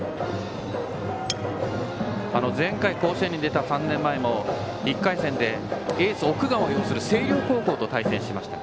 前回甲子園に出た３年前も１回戦でエース、奥川を擁する星稜高校と対戦しました。